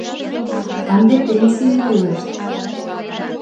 Ынде пенсийым тӱлышт!